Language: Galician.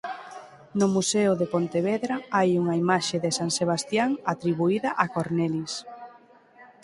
No Museo de Pontevedra hai unha imaxe de San Sebastián atribuída a Cornelis.